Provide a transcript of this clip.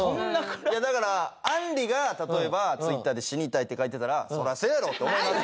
だからあんりが例えばツイッターで「死にたい」って書いてたらそらそやろ！って思います。